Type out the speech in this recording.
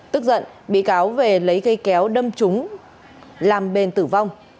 tức giận bị cáo về lấy cây kéo đâm trúng làm bền tử vong